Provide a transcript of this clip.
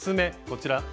こちら。